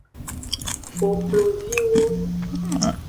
Kokloviwo.